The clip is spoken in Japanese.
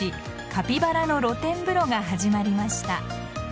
カピバラの露天風呂が始まりました。